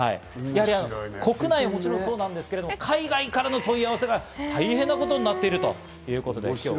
国内はもちろんそうなんですけど、海外からの問い合わせが大変なことになっているということです。